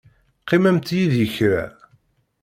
Qqimemt yid-i kra.